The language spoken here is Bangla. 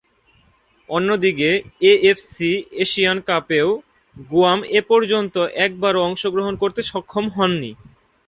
অন্যদিকে, এএফসি এশিয়ান কাপেও গুয়াম এপর্যন্ত একবারও অংশগ্রহণ করতে সক্ষম হয়নি।